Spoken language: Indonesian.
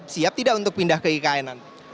siap tidak untuk pindah ke ikn nanti